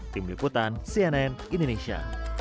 tim liputan cnn indonesia